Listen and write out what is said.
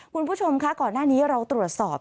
คุณผู้ชมคะก่อนหน้านี้เราตรวจสอบ